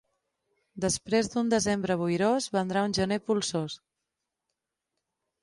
Després d'un desembre boirós vendrà un gener polsós.